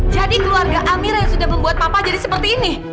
jadi keluarga amirah yang sudah membuat papa jadi seperti ini